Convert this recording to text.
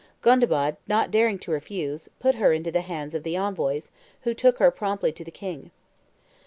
Gondebaud, not daring to refuse, put her into the hands of the envoys, who took her promptly to the king.